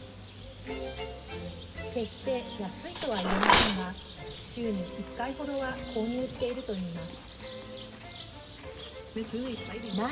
決して安いとは言えませんが週に１回ほどは購入しているといいます。